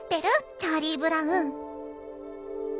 チャーリー・ブラウン」。